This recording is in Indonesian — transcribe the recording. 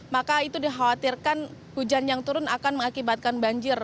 maka itu dikhawatirkan hujan yang turun akan mengakibatkan banjir